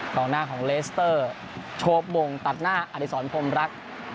กล่องหน้าของเลเซตเตอร์โชรบมงตัดหน้าอาธิษฐรรมรัก